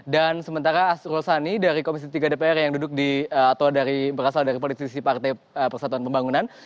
sementara asrul sani dari komisi tiga dpr yang duduk di atau berasal dari politisi partai persatuan pembangunan